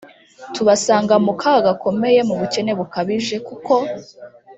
tubasanga mu kaga gakomeye no mu bukene bukabije kuko